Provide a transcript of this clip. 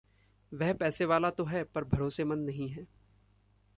वह पैसेवाला तो है, पर भरोसेमंद नहीं है।